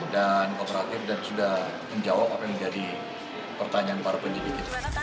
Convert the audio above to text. dan kooperatif dan sudah menjawab apa yang menjadi pertanyaan para penyidik